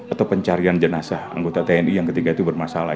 atau pencarian jenazah anggota tni yang ketiga itu bermasalah